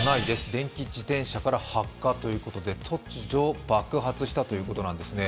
電気自転車から発火ということで突如爆発したということなんですね。